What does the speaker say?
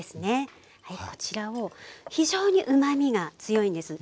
こちらを非常にうまみが強いんです。